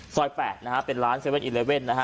ส้อยแปดนะฮะเป็นร้าน๗๑๑นะฮะ